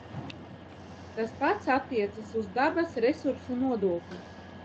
Tas pats attiecas uz dabas resursu nodokli.